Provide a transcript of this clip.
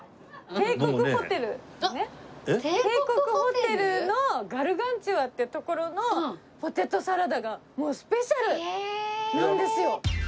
帝国ホテルのガルガンチュワっていう所のポテトサラダがもうスペシャルなんですよ！